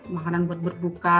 makanan buat berbuka